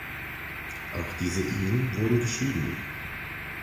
Auch diese Ehen wurden geschieden.